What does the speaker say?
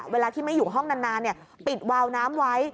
เวลาที่ไม่อยู่ห้องนานปิดวาวน้ำไว้